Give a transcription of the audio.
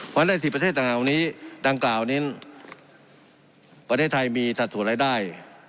เพราะว่าใน๑๐ประเทศดังกล่านี้ประเทศไทยมีศัตรูรายได้